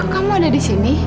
kamu ada di sini